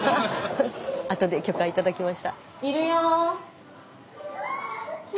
あとで許可頂きました。